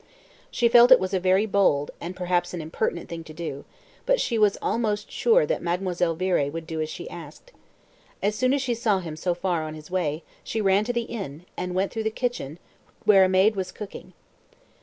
She felt it was a very bold, and perhaps an impertinent thing to do, but she was almost sure that Mademoiselle Viré would do as she asked. As soon as she saw him so far on his way, she ran to the inn, and went through to the kitchen, where a maid was cooking.